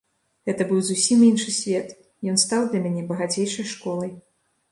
Гэта быў зусім іншы свет, ён стаў для мяне багацейшай школай.